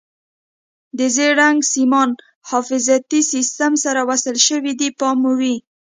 د زیړ رنګ سیمان حفاظتي سیم سره وصل شوي دي پام مو وي.